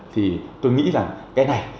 thì tôi nghĩ là cái này